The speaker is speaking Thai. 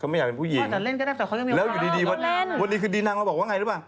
เขาไม่อยากเป็นผู้หญิงแล้วอยู่ดีวันนี้คือดีนังเราบอกว่าไงหรือเปล่า